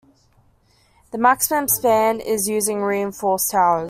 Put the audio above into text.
The maximum span is using reinforced towers.